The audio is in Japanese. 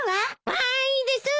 わーいです。